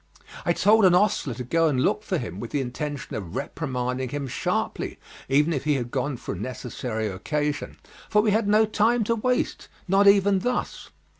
I told an ostler to go and look for him, with the intention of reprimanding him sharply, even if he had gone for a necessary occasion, for we had no time to waste, not even thus.